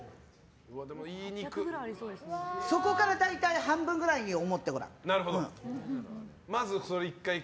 そこから大体半分ぐらいに思ってごらん。